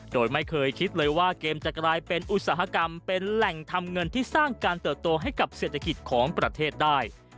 โดยไม่เคยคิดเลยว่าเกมจะกลายเป็นอุตสาหกรรมเป็นแหล่งทำเงินที่สร้างการเติบโตให้กับเศรษฐกิจของประเทศได้